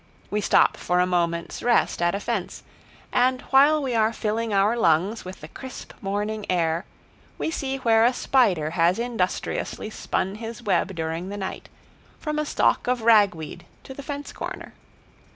We stop for a moment's rest at a fence, and while we are filling our lungs with the crisp morning air we see where a spider has industriously spun his web during the night, from a stalk of ragweed to the fence corner.